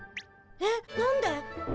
えっ何で？